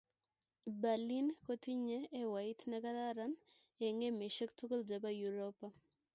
Berlin kotinye ewait ne kararan eng emesheck tugul che bo uropa